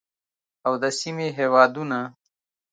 او د سیمې هیوادونه